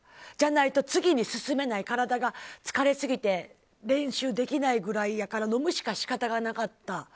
じゃないと、次に進めない体が疲れすぎて練習できないぐらいだから飲むしか仕方がなかった。